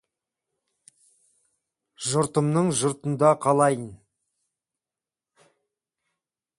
Жұртымның жұртында қалайын.